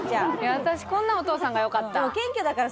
私こんなお父さんがよかった。